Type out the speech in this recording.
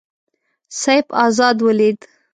سیف آزاد ولید.